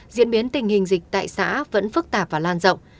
diễn biến tình hình dịch tại xã vẫn phức tạp và lan rộng